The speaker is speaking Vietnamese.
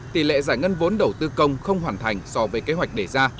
tỷ lệ giải ngân vốn đầu tư công không hoàn thành so với kế hoạch đề ra